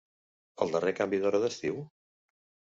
El darrer canvi d’hora d’estiu?